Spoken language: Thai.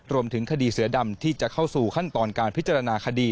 รวมถึงคดีเสือดำที่จะเข้าสู่ขั้นตอนการพิจารณาคดี